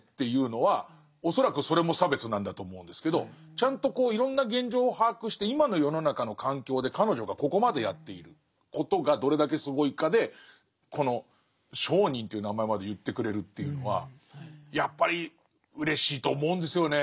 ちゃんとこういろんな現状を把握して今の世の中の環境で彼女がここまでやっていることがどれだけすごいかでこの聖人という名前まで言ってくれるっていうのはやっぱりうれしいと思うんですよね。